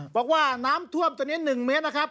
บอกว่าน้ำท่วมตัวนี้๑เมตรนะครับ